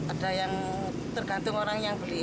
ada yang tergantung orang yang beli